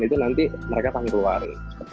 itu nanti mereka akan keluar